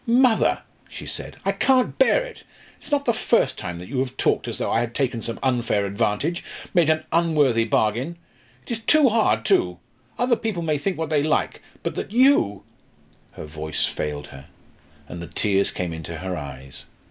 "Mother," she said, "I can't bear it. It's not the first time that you have talked as though I had taken some unfair advantage made an unworthy bargain. It is too hard too. Other people may think what they like, but that you " Her voice failed her, and the tears came into her eyes.